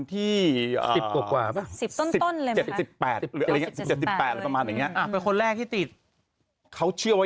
ที่อ่าสิบกว่าประมาณนี้อ่าเป็นคนแรกที่ติดเขาเชื่อว่า